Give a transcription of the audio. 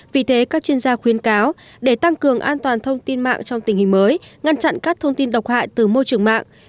vì thế các chuyên gia khuyến cáo để tăng cường an toàn thông tin mạng trong tình hình mới ngăn chặn các thông tin độc hại từ môi trường mạng